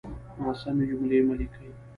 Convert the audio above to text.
ناسمې جملې مه ليکئ!